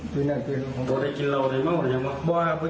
คิดว่าไกด๊อตพูดแยกเหบมันอีกแล้ว